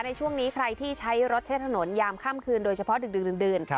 ในช่วงนี้ใครที่ใช้รถใช้ถนนยามค่ำคืนโดยเฉพาะดึกดื่น